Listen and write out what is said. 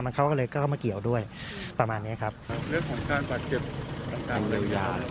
มันเขาก็เลยก็เข้ามาเกี่ยวด้วยประมาณเนี้ยครับครับ